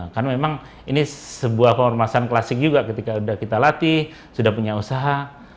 karena memang ini sebuah pemerintahan klasik juga ketika kita latih sudah punya usaha